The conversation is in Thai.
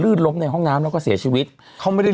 ดื่มน้ำก่อนสักนิดใช่ไหมคะคุณพี่